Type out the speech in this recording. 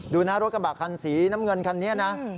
ดูนะรถกระบะคันสีน้ำเงินคันนี้นะ